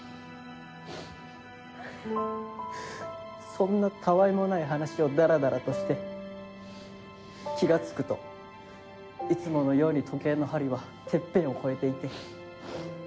そんなたわいもない話をだらだらとして気が付くといつものように時計の針はてっぺんを越えていて。